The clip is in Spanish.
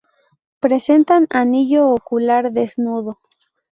Presentan anillo ocular desnudo.